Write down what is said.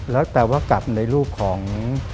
แล้วแต่ว่ากลับในรูปของ